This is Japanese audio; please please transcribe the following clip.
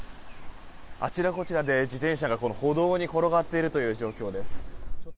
あちらこちらで自転車が歩道に転がっている状況です。